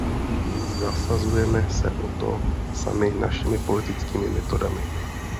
Zasazujeme se o to sami našimi politickými metodami.